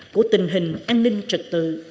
của tình hình an ninh trật tự